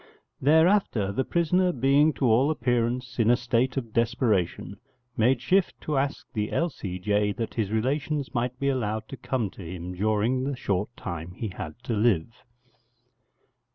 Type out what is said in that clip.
Thereafter the prisoner being to all appearance in a state of desperation, made shift to ask the L.C.J. that his relations might be allowed to come to him during the short time he had to live.